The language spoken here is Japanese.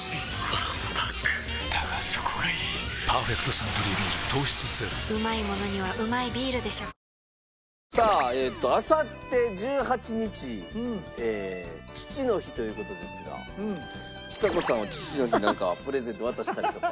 わんぱくだがそこがいい「パーフェクトサントリービール糖質ゼロ」さああさって１８日父の日という事ですがちさ子さんは父の日なんかプレゼント渡したりとか。